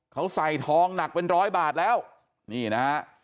เขาใส่ทองหนักเป็นร้อยบาทแล้วนี่นะฮะ